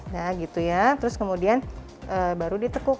nah gitu ya terus kemudian baru ditekuk